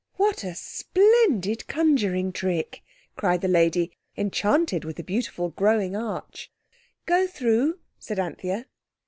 "What a splendid conjuring trick!" cried the lady, enchanted with the beautiful, growing arch. "Go through," said Anthea.